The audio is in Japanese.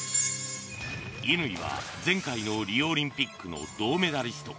乾は前回のリオオリンピックの銅メダリスト。